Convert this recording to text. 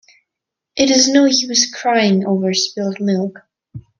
It is no use crying over spilt milk.